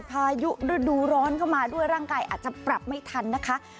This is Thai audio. พายุฤดูร้อนเข้ามาด้วยร่างกายอาจจะปรับไม่ทันนะคะ